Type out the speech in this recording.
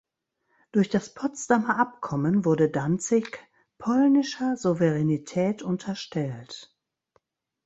Durch das Potsdamer Abkommen wurde Danzig polnischer Souveränität unterstellt.